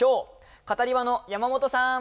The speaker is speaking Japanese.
カタリバの山本さん。